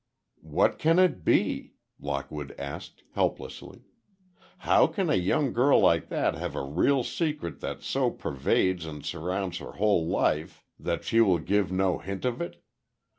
"What can it be?" Lockwood asked, helplessly. "How can a young girl like that have a real secret that so pervades and surrounds her whole life that she will give no hint of it?